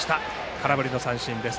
空振り三振です。